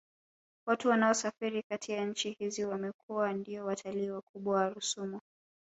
Watu wanaosafiri Kati ya nchi hizi wamekuwa ndiyo watalii wakubwa wa rusumo